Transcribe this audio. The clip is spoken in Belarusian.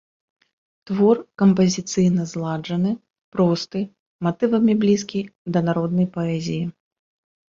Твор кампазіцыйна зладжаны, просты, матывамі блізкі да народнай паэзіі.